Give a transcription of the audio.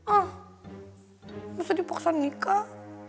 ah bisa dipaksa nikah